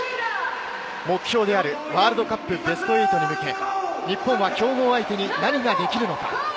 目標であるワールドカップ・ベスト８に向け、日本は強豪相手に何ができるのか。